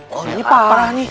wah orangnya parah nih